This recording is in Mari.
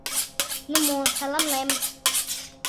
— Ну мо, саламлем.